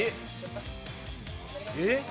えっ？